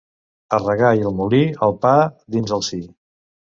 A regar i al molí, el pa dins el si.